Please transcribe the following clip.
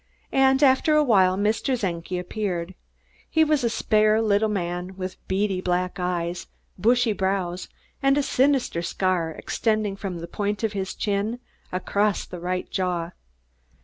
And after a while Mr. Czenki appeared. He was a spare little man, with beady black eyes, bushy brows, and a sinister scar extending from the point of his chin across the right jaw.